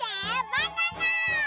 バナナ！